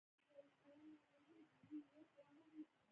د تیارې له خپرېدو سره به د خوب لویې کوټې ته روان شوو.